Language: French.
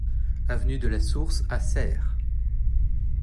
Avenue de la Source à Serres